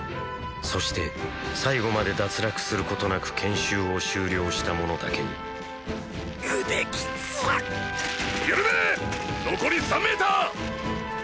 そして最後まで脱落することなく研修を修了した者だけに腕キツッゆるめッ。残り３メーター。